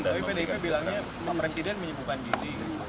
tapi pdip bilangnya presiden menyibukkan diri